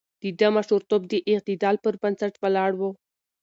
د ده مشرتوب د اعتدال پر بنسټ ولاړ و.